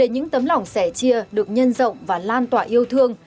những tấm lòng sẻ chia được nhân rộng và lan tỏa yêu thương